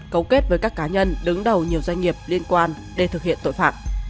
cấu kết với các cá nhân đứng đầu nhiều doanh nghiệp liên quan để thực hiện tội phạm